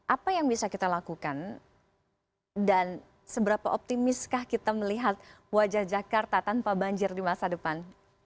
apa yang bisa kita lakukan dan seberapa optimiskah kita melihat wajah jakarta tanpa banjir di masa depan